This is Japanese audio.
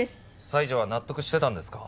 西条は納得してたんですか？